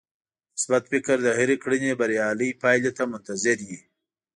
مثبت فکر د هرې کړنې بريالۍ پايلې ته منتظر وي.